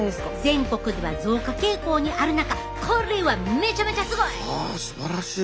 全国では増加傾向にある中これはめちゃめちゃすごい！